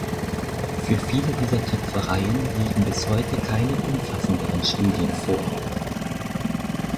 Für viele dieser Töpfereien liegen bis heute keine umfassenderen Studien vor.